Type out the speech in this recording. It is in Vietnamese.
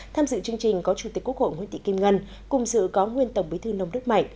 tham dự chương trình có chủ tịch quốc hội nguyễn thị kim ngân cùng sự có nguyên tổng bí thư nông đức mạnh